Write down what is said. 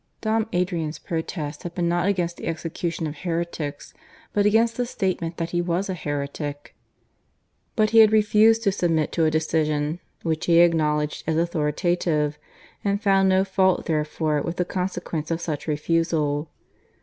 Dom Adrian's protest had been not against the execution of heretics, but against the statement that he was a heretic. But he had refused to submit to a decision which he acknowledged as authoritative, and found no fault therefore with the consequence of such refusal.